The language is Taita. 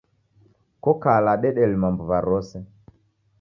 Kokala dedelima mbuw'a rose